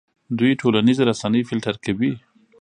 دوی ټولنیزې رسنۍ فلټر کوي.